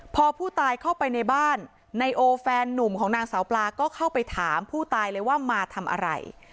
พอผู้ตายเข้าไปในบ้านไนโอแฟนนุ่มของนางสาวปลาก็เข้าไปถามผู้ตายเลยว่ามาทำอะไร